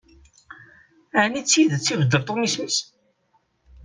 Ɛni d tidet ibeddel Tom isem-is?